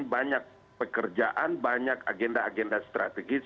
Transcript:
banyak pekerjaan banyak agenda agenda strategis